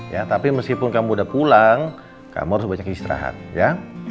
ya tapi meskipun kamu udah pulang kamu harus banyak istirahat ya